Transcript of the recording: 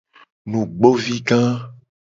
Nugbovi ga.